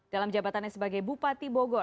dalam jabatannya sebagai bupati bogor